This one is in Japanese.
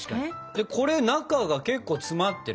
でこれ中が結構詰まってるけど。